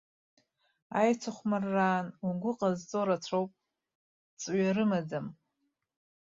Аицыхәмарра аан угәы ҟазҵо рацәоуп, ҵҩа рымаӡам.